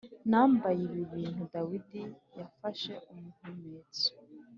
nambaye ibi bintu Dawidi yafashe umuhumetso